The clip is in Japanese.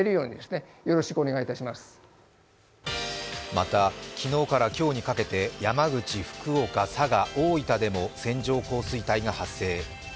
また、昨日から今日にかけて山口、福岡、佐賀、大分でも線状降水帯が発生。